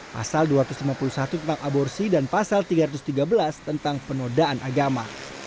pasal dua ratus lima puluh satu tentang aborsi dan pasal tiga ratus tiga belas tentang penodaan agama